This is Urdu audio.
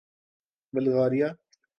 بلغاریہ